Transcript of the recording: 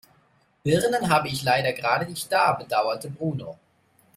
Birnen habe ich leider gerade nicht da, bedauerte Bruno.